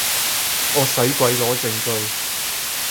我使鬼攞證據